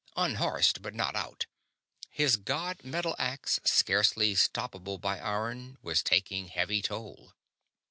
Unhorsed, but not out his god metal axe, scarcely stoppable by iron, was taking heavy toll.